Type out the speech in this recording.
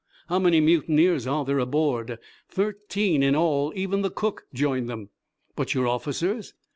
"How many mutineers are there aboard?" "Thirteen, in all. Even the cook joined them." "But your officers?"